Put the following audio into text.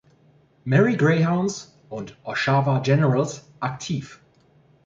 Marie Greyhounds und Oshawa Generals aktiv.